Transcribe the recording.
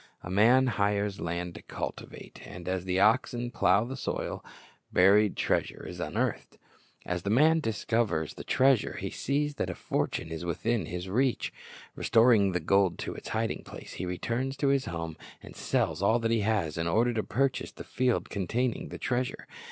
A man hires land to cultivate, and as the oxen plow the soil, buried treasure is unearthed. As the man discovers Based on Matt 13:44 (103) 104 Christ's Object Lessons this treasure, he sees that a fortune is within his reach. Restoring the gold to its hiding place, he returns to his home and sells all that he has, in order to purchase the field containing the treasure.